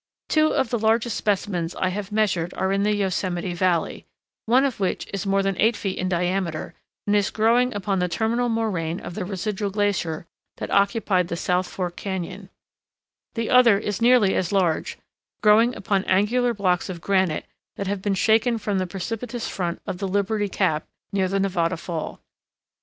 Two of the largest specimens I have measured are in Yosemite Valley, one of which is more than eight feet in diameter, and is growing upon the terminal moraine of the residual glacier that occupied the South Fork Canon; the other is nearly as large, growing upon angular blocks of granite that have been shaken from the precipitous front of the Liberty Cap near the Nevada Fall.